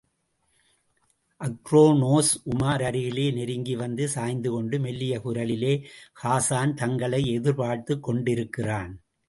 அக்ரோனோஸ், உமார் அருகிலே நெருங்கி வந்து சாய்ந்துகொண்டு, மெல்லிய குரலிலே, ஹாஸான் தங்களை எதிர்பார்த்துக் கொண்டிருக்கிறான்.